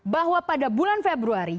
bahwa pada bulan februari